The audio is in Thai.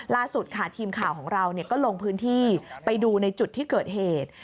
ล่าสุดค่ะทีมข่าวของเราก็ลงพื้นที่ไปดูในจุดที่เกิดเหตุ